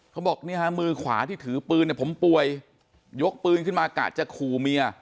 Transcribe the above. เขาบอกเนี่ยฮะมือขวาที่ถือปืนเนี่ยผมป่วยยกปืนขึ้นมากะจะขู่เมีย